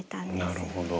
なるほど。